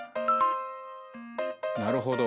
なるほど。